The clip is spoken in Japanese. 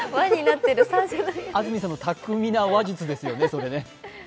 安住さんの巧みな話術ですよね。